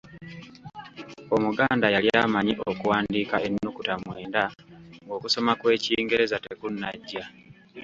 Omuganda yali amanyi okuwandiika ennukuta mwenda ng’okusoma kw’ekingereza tekunnajja!